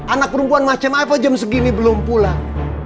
anak perempuan macam apa jam segini belum pulang